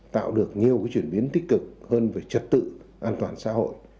tạo được nhiều chuyển biến tích cực hơn về trật tự an toàn xã hội